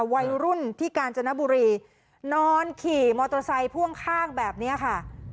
วัยรุ่นที่กาญจนบุรีนอนขี่มอเตอร์ไซค์พ่วงข้างแบบนี้ค่ะ